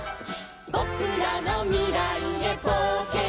「ぼくらのみらいへぼうけんだ」